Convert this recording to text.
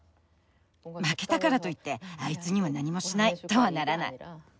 負けたからといってあいつには何もしないとはならない。